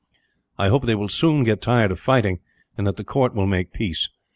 "I hope they will soon get tired of fighting, and that the court will make peace.